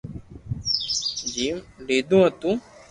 جمم ليدو ھتو